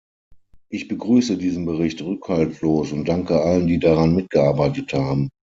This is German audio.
Ich begrüße diesen Bericht rückhaltlos und danke allen, die daran mitgearbeitet haben.